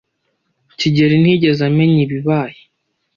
kigeli ntiyigeze amenya ibibaye.